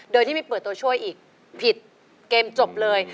โดยที่ไม่เปิดตัวช่วยอีกผิดเกมจบเลย